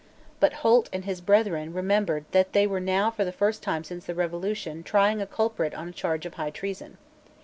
But Holt and his brethren remembered that they were now for the first time since the Revolution trying a culprit on a charge of high treason.